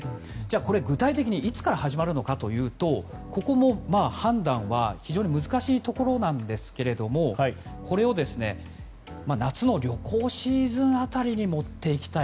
これ具体的にいつから始まるのかというとここも判断は非常に難しいところなんですけれどもこれを夏の旅行シーズン辺りに持っていきたい。